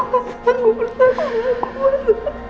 aku bersyukur aku bersyukur